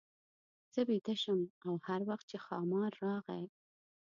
زه بېده شم او هر وخت چې ښامار راغی.